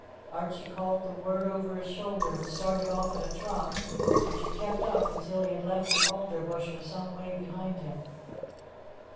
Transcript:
Archie called the word over his shoulder, and started off at a trot, which he kept up until he had left the alder bushes some way behind him.